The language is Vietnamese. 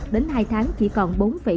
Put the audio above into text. một đến hai tháng chỉ còn bốn chín